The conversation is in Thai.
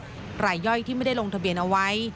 รายย่อยที่ไม่ได้ลงทะเบียนเอาไว้